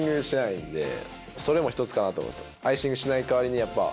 それも一つかなと思います。